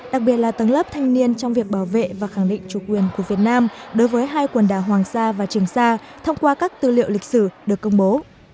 đặc biệt là tầng lớp thanh niên trong việc bảo vệ và khẳng định chủ quyền của việt nam đối với hai quần đảo hoàng sa và trường sa thông qua các tư liệu lịch sử được công bố